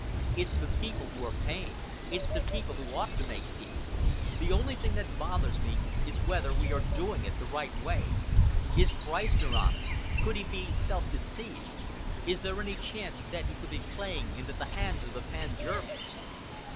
It's the people who are paying. It's the people who ought to make the peace. The only thing that bothers me is whether we are doing it the right way. Is Freistner honest? Could he be self deceived? Is there any chance that he could be playing into the hands of the Pan Germans?"